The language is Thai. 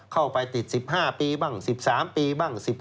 เข้าไปติด๑๕ปีบ้าง๑๓ปีบ้าง๑๖